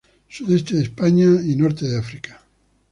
Sudeste de España y Norte de África.